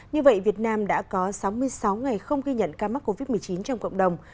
như vậy việt nam đã có sáu mươi sáu ngày không ghi nhận ca mắc covid một mươi chín trong cộng đồng